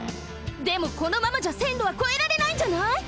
でもこのままじゃせんろはこえられないんじゃない？